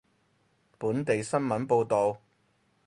本地新聞報道